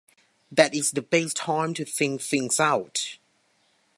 That is the best time to think things out.